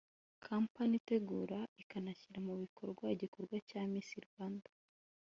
kompanyi itegura ikanashyira mu bikorwa igikorwa cya Miss Rwanda